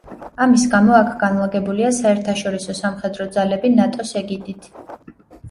ამის გამო აქ განლაგებულია საერთაშორისო–სამხედრო ძალები ნატოს ეგიდით.